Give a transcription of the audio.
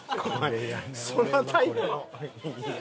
そのタイプの。